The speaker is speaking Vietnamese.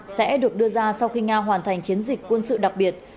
sẽ được đưa ra sau khi nga hoàn thành chiến dịch quân sự đặc biệt